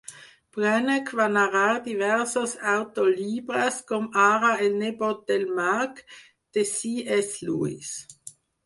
Branagh va narrar diversos audiollibres, com ara "El nebot del mag" de C. S. Lewis.